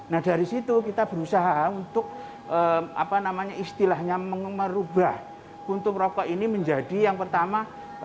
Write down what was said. nah dari situ kita berusaha untuk istilahnya merubah kuntung rokok ini menjadi yang pertama